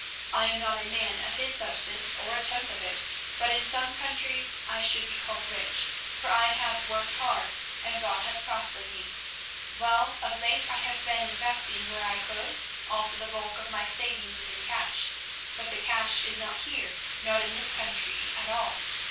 I am not a man of his substance, or a tenth of it, but in some countries I should be called rich, for I have worked hard and God has prospered me. Well, of late I have been realising where I could, also the bulk of my savings is in cash. But the cash is not here, not in this country at all.